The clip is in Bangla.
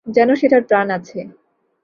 যেন সেটার প্রাণ আছে।